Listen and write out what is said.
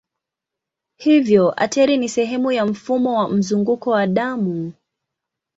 Hivyo ateri ni sehemu ya mfumo wa mzunguko wa damu.